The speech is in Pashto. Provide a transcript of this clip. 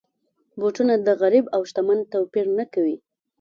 بوټونه د غریب او شتمن توپیر نه کوي.